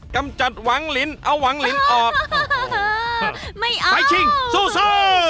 กำจัดวังลิ้นเอาวังลิ้นออกศิลป์ไบชิงสู้